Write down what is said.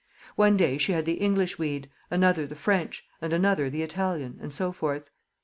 One day she had the English weed, another the French, and another the Italian, and so forth.